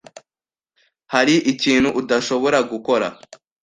Hari ikintu udashobora gukora?